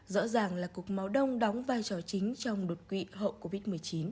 rõ ràng là cục máu đông đóng vai trò chính trong đột quỵ hậu covid một mươi chín